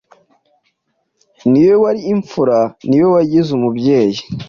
niwe wari imfura, niwe wangize umubyeyi